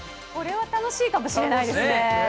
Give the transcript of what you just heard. これは楽しいかもしれないですね。